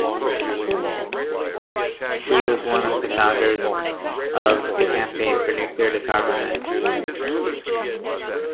He was one of the founders of the Campaign for Nuclear Disarmament.